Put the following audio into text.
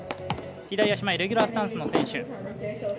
左足前レギュラースタンスの選手。